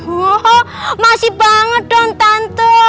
hohoh masih banget dong tante